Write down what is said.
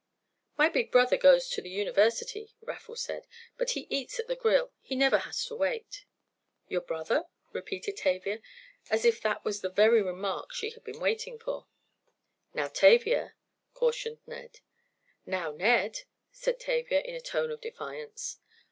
"My big brother goes to the university," Raffle said. "But he eats at the Grill. He never has to wait." "Your brother?" repeated Tavia, as if that was the very remark she had been waiting for. "Now Tavia," cautioned Ned. "Now Ned," said Tavia, in a tone of defiance.